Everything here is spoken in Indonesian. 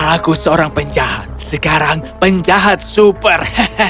aku seorang penjahat sekarang penjahat super